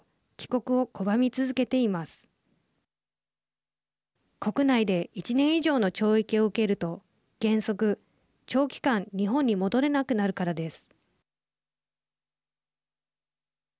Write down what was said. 国内で１年以上の懲役を受けると原則、長期間日本に戻れなくなるからです。